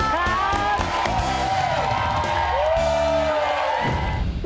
ครับ